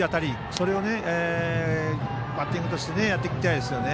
それをバッティングとしてやっていきたいですよね。